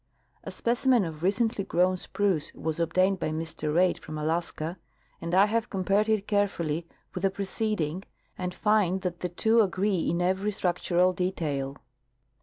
A specimen of recently grown spruce was obtained by Mr Reid from Alaska,^] and I have compared it carefully with the preceding and find that the two agree in every structural detail.